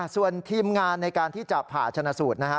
ส่วนทีมงานในการที่จะผ่าชนะสูตรนะฮะ